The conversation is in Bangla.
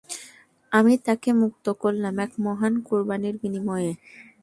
আমি তাকে মুক্ত করলাম এক মহান কুরবানীর বিনিময়ে।